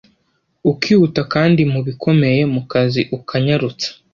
ukihuta kandi mu bikomeye mu kazi ukanyarutsa